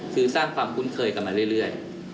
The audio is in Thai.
คือสร้างความคุ้นเคยกันมาเรื่อย